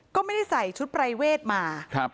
ก็ไม่ได้ใส่ชุดปรายเวทมา